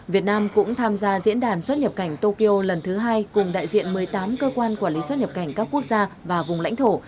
việt nam cũng tham gia diễn đàn xuất nhập cảnh tokyo lần thứ hai cùng đại diện một mươi tám cơ quan quản lý xuất nhập cảnh các quốc gia và vùng lãnh thổ